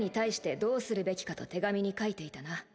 どうするべきかと手紙に書いていたな